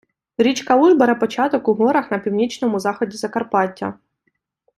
Річка Уж бере початок у горах на північному заході Закарпаття.